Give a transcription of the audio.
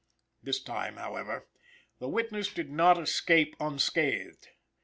This time, however, the witness did not escape unscathed.